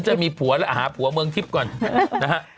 จะมีผัวแล้วหาผัวเมืองทิพย์ก่อนนะฮะ